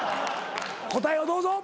答えをどうぞ。